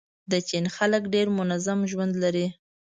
د چین خلک ډېر منظم ژوند لري.